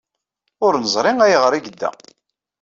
Ur neẓri ayɣer ay yedda.